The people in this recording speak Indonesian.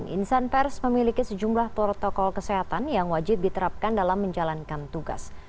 insan pers memiliki sejumlah protokol kesehatan yang wajib diterapkan dalam menjalankan tugas